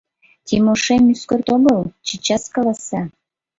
Тимошем ӱскырт огыл, чечас каласа!